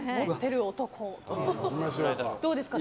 どうですか？